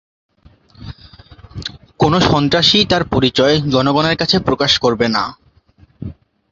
কোনো সন্ত্রাসীই তার পরিচয় জনগণের কাছে প্রকাশ করবে না।